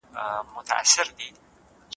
که چيري عدالت پلی سي، ټولنيز امنيت به رامنځته سي.